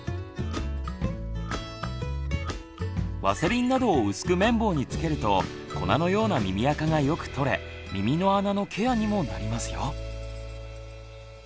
ワセリンなどを薄く綿棒につけると粉のような耳あかがよく取れ耳の穴のケアにもなりますよ。